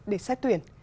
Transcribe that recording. để xét tuyển